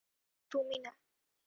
কিন্তু তুমি না।